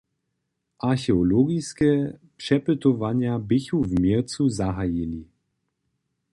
Archeologiske přepytowanja běchu w měrcu zahajili.